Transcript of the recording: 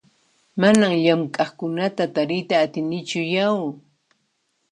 Manan llamk'aqkunata tariyta atinichu yau!